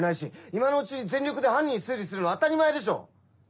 今のうちに全力で犯人推理するの当たり前でしょ！